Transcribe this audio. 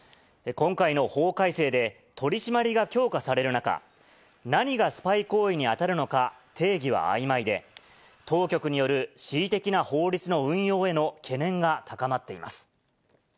今回の法改正で、取締りが強化される中、何がスパイ行為に当たるのか、定義はあいまいで、当局による恣意的な法律の運用への懸念が高まっています。